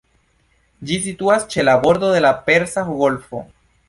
Ĝi situas ĉe la bordo de la Persa Golfo.